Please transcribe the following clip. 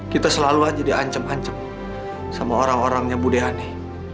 kita selalu aja diancem ancem sama orang orangnya budihani